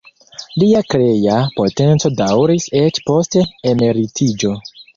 Lia krea potenco daŭris eĉ post emeritiĝo.